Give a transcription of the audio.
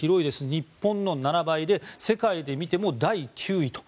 日本の７倍で世界で見ても第９位と。